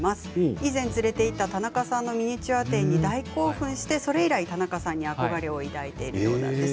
以前連れて行った田中さんのミニチュア展に行ってそれ以来田中さんに憧れを抱いているようなんです。